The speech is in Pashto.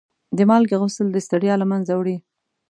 د مالګې غسل د ستړیا له منځه وړي.